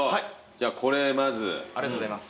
じゃこれまず。ありがとうございます。